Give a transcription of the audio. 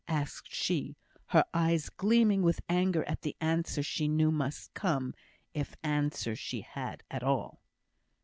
asked she, her eyes gleaming with anger at the answer she knew must come, if answer she had at all.